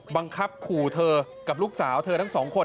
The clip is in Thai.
บังคับขู่เธอกับลูกสาวเธอทั้งสองคน